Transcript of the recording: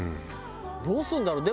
どうすんだろう？